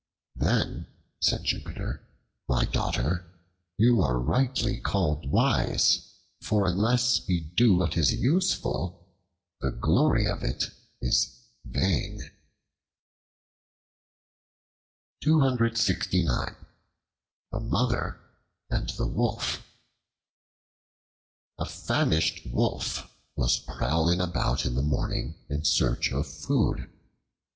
Then said Jupiter, "My daughter, you are rightly called wise; for unless what we do is useful, the glory of it is vain." The Mother and the Wolf A FAMISHED WOLF was prowling about in the morning in search of food.